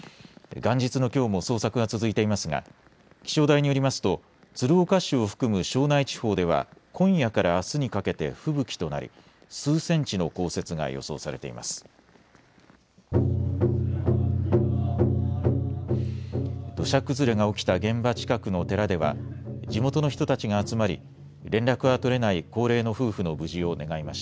元日のきょうも捜索が続いていますが気象台によりますと鶴岡市を含む庄内地方では今夜からあすにかけて吹雪となり数センチの降雪が予想されています。